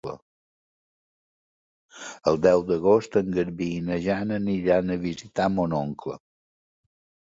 El deu d'agost en Garbí i na Jana aniran a visitar mon oncle.